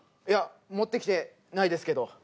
いや持ってきてないですけど。